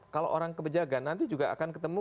kalau orang ke pejagan nanti juga akan ketemu